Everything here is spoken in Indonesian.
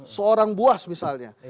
seorang buas misalnya